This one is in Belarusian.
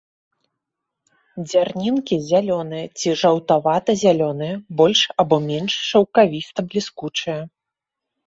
Дзярнінкі зялёныя ці жаўтавата-зялёныя, больш або менш шаўкавіста-бліскучыя.